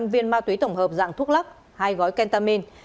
ba mươi năm viên ma túy tổng hợp dạng thuốc lắc hai gói kentamin